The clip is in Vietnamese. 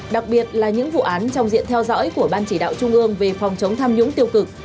đặc biệt là những vụ án trong diện theo dõi của ban chỉ đạo trung ương về phòng chống tham nhũng tiêu cực